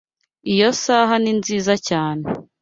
Iyo saha ni nziza cyane.